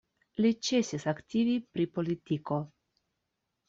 Li ĉesis aktivi pri politiko.